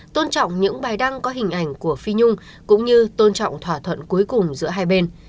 tôn trọng những bài đăng có hình ảnh của phi nhung cũng như tôn trọng thỏa thuận cuối cùng giữa hai bên